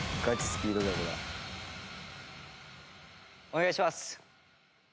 お願いします。